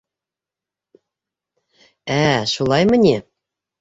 — Ә, шулаймы ни!